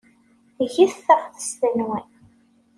Get taɣtest-nwen.